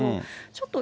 ちょっと